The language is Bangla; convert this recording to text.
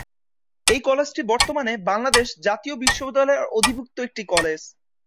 এই কলেজটি বর্তমানে বাংলাদেশ জাতীয় বিশ্ববিদ্যালয়ের অধিভুক্ত একটি কলেজ।